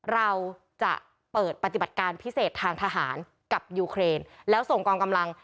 เราจะเปิดปฏิบัติการพิเศษทางทหารกับยูเครนแล้วส่งกองกำลัง